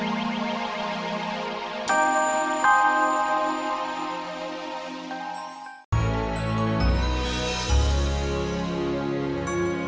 sampai bumi jadi teang juga